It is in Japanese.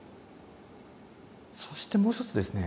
そしてもう一つですね